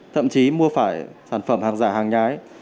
thậm chí mua phải sản phẩm hàng giả hàng nhái